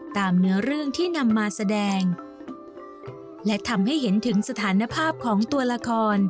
ตามเนื้อเรื่องที่นำมาแสดงและทำให้เห็นถึงสถานภาพของตัวละคร